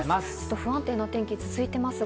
不安定な天気が続いてますが。